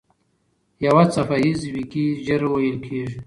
یو څپه ایز ويیکی ژر وېل کېږي.